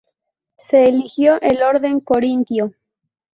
Se eligió el orden corintio.